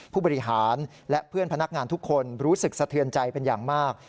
ผู้บริหารและเพื่อนพนักงานทุกคนรู้สึกสะเทือนใจเป็นอย่างมาก